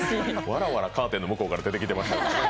わらわらカーテンの向こうから出てきましたからね。